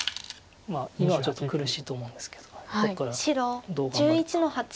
今はちょっと苦しいと思うんですけどここからどう頑張るか注目です。